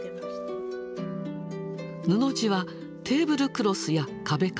布地はテーブルクロスや壁掛け。